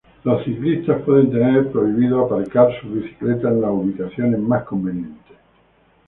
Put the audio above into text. Los ciclistas pueden tener prohibido aparcar sus bicicletas en las ubicaciones más convenientes.